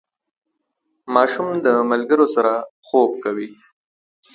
ماشوم د ملګرو سره خوب کوي.